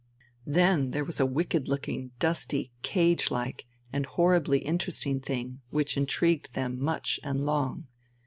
Then there was a wicked looking, dusty, cage like, and horribly interesting thing, which intrigued them much and long.